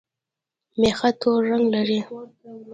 مېخه تور رنګ لري